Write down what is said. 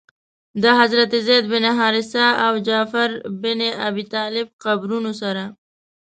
د حضرت زید بن حارثه او جعفر بن ابي طالب قبرونو سره.